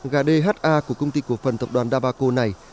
gà dha của công ty của phần tộc đoàn dabaco này